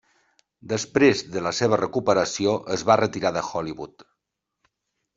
Després de la seva recuperació es va retirar de Hollywood.